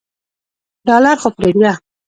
ډالر خو پریږده.